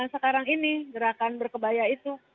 sekarang ini gerakan berkebaya itu